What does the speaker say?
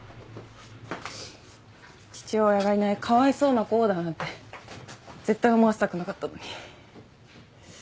父親がいないかわいそうな子だなんて絶対思わせたくなかったのに。